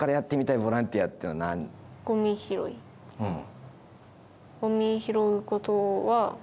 うん。